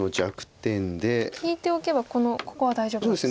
引いておけばここは大丈夫なんですね。